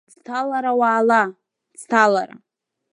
Ӡҭалара уаала, ӡҭалара!